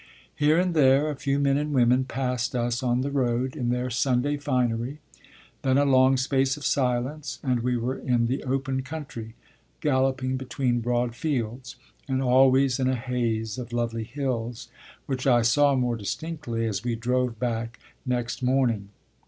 Here and there, a few men and women passed us on the road, in their Sunday finery; then a long space of silence, and we were in the open country, galloping between broad fields; and always in a haze of lovely hills, which I saw more distinctly as we drove back next morning.